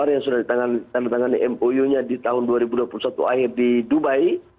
yang sudah ditandatangani mou nya di tahun dua ribu dua puluh satu akhir di dubai